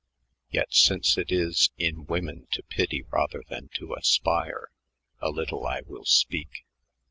Yet since it is In women to pity rather than to aspire, A little I will speak.